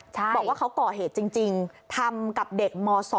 บอกว่าเขาก่อเหตุจริงทำกับเด็กม๒